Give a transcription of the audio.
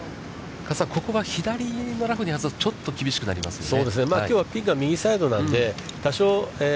加瀬さん、ここは左のラフに外すと、ちょっと厳しくなりますよね。